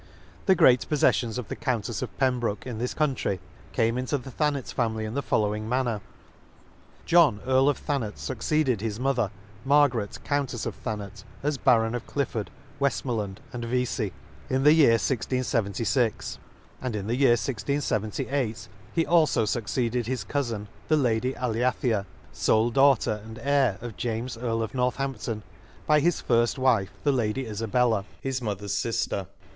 The great pofleflions of the Countefs of Pembroke, in this country, came into the Thanet family in the following man ner :— John Earl of Thanet fucceeded his mother, Margaret Countefs of Thanet, as Baron of Clifford, Weftmoreland, and Vefey, 38 A Excursion m Vefey, in the year 1676; and in the year 1678 he alfo fucceeded his coufin the La dy Aliathea, fole daughter and heir of James Earl of Northampton, by his firft wife the Lady Ifabella, his mother's fifter.